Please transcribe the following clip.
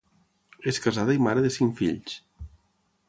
És casada i mare de cinc fills.